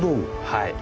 はい。